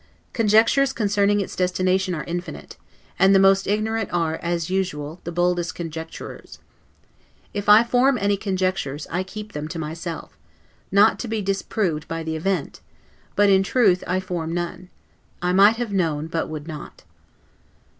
Conjectures concerning its destination are infinite; and the most ignorant are, as usual, the boldest conjecturers. If I form any conjectures, I keep them to myself, not to be disproved by the event; but, in truth, I form none: I might have known, but would not.